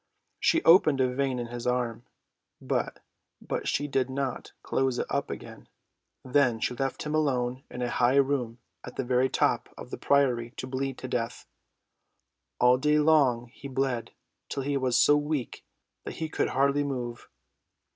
She opened a vein in his arm, but she did not close it up again. Then she left him alone in a high room at the very top of the priory to bleed to death. All day long he bled till he was so weak that he could hardly move.